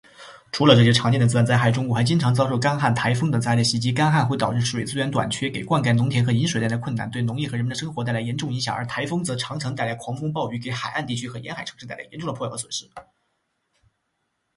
除了这些常见的自然灾害，中国还经常遭受干旱、台风等灾害的袭击。干旱会导致水资源短缺，给灌溉农田和饮水带来困难，对农业和人们生活带来严重影响。而台风则常常带来狂风暴雨，给海岸地区和沿海城市带来严重的破坏和损失。